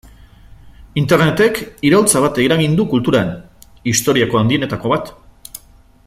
Internetek iraultza bat eragin du kulturan, historiako handienetako bat.